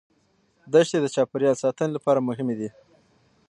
دښتې د چاپیریال ساتنې لپاره مهمې دي.